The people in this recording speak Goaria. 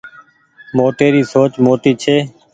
موٽي ري سوچ موٽي ڇي